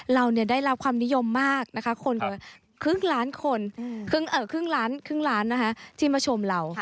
เราได้รับความนิยมมากนะคะครึ่งล้านคนครึ่งล้านที่มาชมเรา